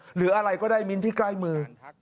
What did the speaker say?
หรืออะไรก็ได้มิ้นที่ใกล้มือ